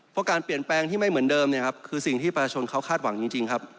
เพราะการเปลี่ยนแปลงที่ไม่เหมือนเดิมเนี่ยครับคือสิ่งที่ประชาชนเขาคาดหวังจริงครับ